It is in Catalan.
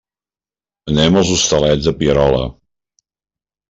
Anem als Hostalets de Pierola.